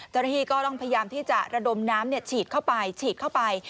เจ้าหน้าที่ก็ต้องพยายามที่จะระดมน้ำฉีดเข้าไปฉีดเข้าไป